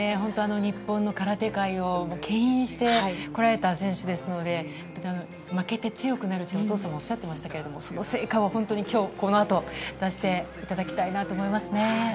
日本の空手界をけん引してこられた選手ですので、負けて強くなるとお父様おっしゃっていましたがその成果を今日このあと出していただきたいと思いますね。